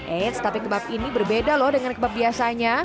eits tapi kebab ini berbeda loh dengan kebab biasanya